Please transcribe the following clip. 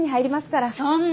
そんな！